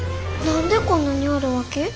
何でこんなにあるわけ？